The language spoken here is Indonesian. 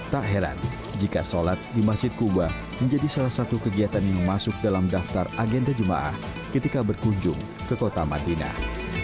tak heran jika sholat di masjid kuba menjadi salah satu kegiatan yang masuk dalam daftar agenda jemaah ketika berkunjung ke kota madinah